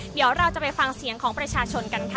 เดี๋ยวเราจะไปฟังเสียงของประชาชนกันค่ะ